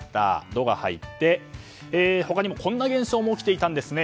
「ド」が入って他にもこんな現象も起きていたんですね。